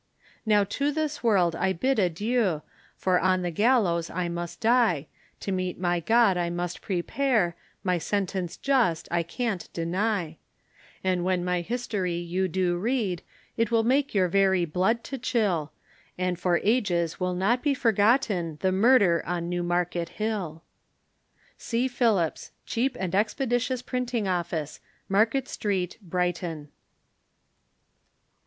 Now to this world I bid adieu, For on the gallows I must die, To meet my God I must prepare, My sentence just I can't deny; And when my history you do read, It will make your very blood to chill, And for ages will not be forgotten, The Murder on Newmarket Hill. C. Phillips, cheap and expeditioius Printing Office, Market Street, Brighton.